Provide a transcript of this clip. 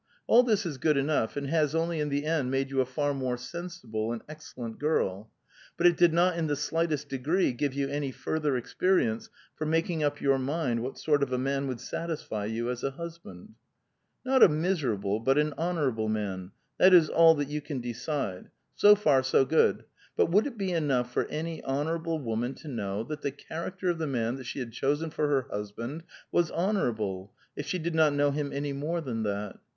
All this is good enough, and it has only in the end made you a far more sensible and ex cellent girl ; but it did not in the slightest des^ree give you any further experience for making up yonr mind what sort of a man would satisfy you as a liusband." " Not a miserable but an honorable man ; that is all that you can decide. So far so good ; but would it be enoigh for any honorable woman to know that the character of the man that she had chosen for her husband was lior.orable, if she did not know him any more than that?